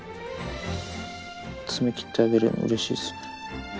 爪切ってあげられるの、うれしいっすね。